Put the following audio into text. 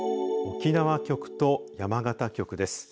沖縄局と山形局です。